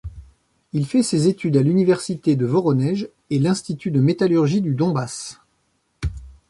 Il fait ses études à l'Université de Voronej et l'Institut de métallurgie du Donbass.